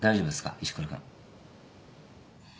石倉君。